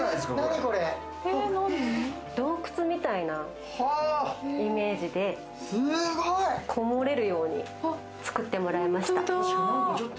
洞窟みたいなイメージで、こもれるように作ってもらいました。